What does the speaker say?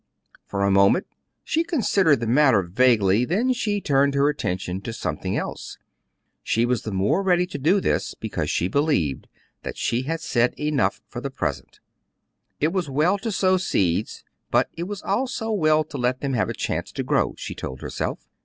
For a moment she considered the matter vaguely; then she turned her attention to something else. She was the more ready to do this because she believed that she had said enough for the present: it was well to sow seeds, but it was also well to let them have a chance to grow, she told herself.